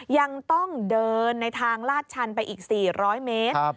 ยังต้องเดินในทางลาดชันไปอีก๔๐๐เมตร